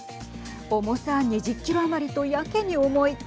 重さ２０キロ余りとやけに重い。